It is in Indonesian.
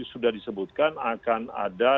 sudah disebutkan akan ada